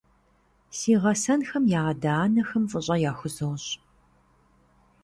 Си гъэсэнхэм я адэ-анэхэм фӀыщӀэ яхузощӀ.